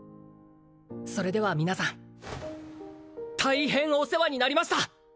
それでは皆さん大変お世話になりました！